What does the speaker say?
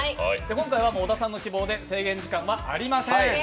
今回は小田さんの希望で制限時間はありません